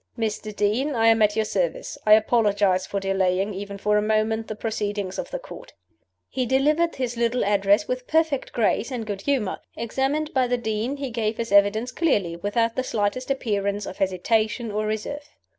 "Mr. Dean. I am at your service. I apologize for delaying, even for a moment, the proceedings of the Court." He delivered his little address with perfect grace and good humor. Examined by the Dean, he gave his evidence clearly, without the slightest appearance of hesitation or reserve.